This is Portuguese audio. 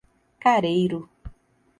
Careiro